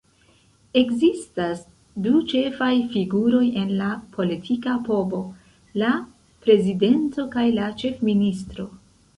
Ekzistas du ĉefaj figuroj en la politika povo: la prezidento kaj la ĉefministro.